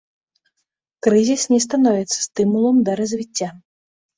Крызіс не становіцца стымулам да развіцця.